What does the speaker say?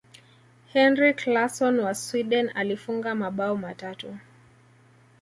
henrik larson wa sweden alifunga mabao matatu